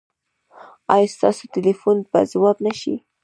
ایا ستاسو ټیلیفون به ځواب نه شي؟